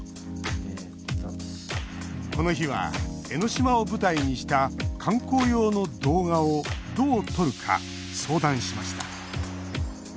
この日は江ノ島を舞台にした観光用の動画をどう撮るか相談しました。